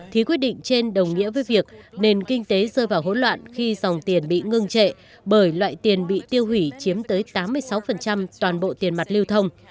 thì quyết định trên đồng nghĩa với việc nền kinh tế rơi vào hỗn loạn khi dòng tiền bị ngưng trệ bởi loại tiền bị tiêu hủy chiếm tới tám mươi sáu toàn bộ tiền mặt lưu thông